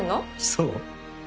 そう。